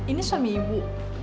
ini suami ibu